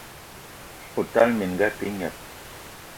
O tala minga a te gneb!